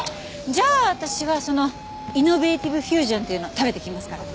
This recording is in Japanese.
じゃあ私はそのイノベーティブフュージョンっていうの食べてきますから。